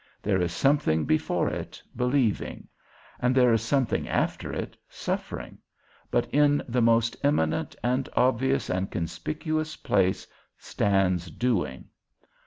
There is something before it, believing; and there is something after it, suffering; but in the most eminent, and obvious, and conspicuous place stands doing.